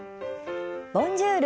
「ボンジュール！